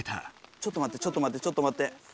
ちょっとまってちょっとまってちょっとまって。